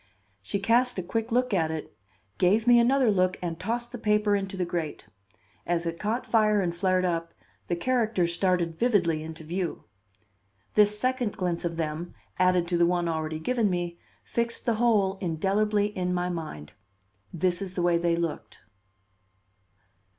She cast a quick look at it, gave me another look and tossed the paper into the grate. As it caught fire and flared up, the characters started vividly into view. This second glimpse of them, added to the one already given me, fixed the whole indelibly in my mind. This is the way they looked.